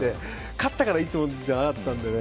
勝ったからいいってものじゃなかったのでね。